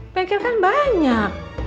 bengkel kan banyak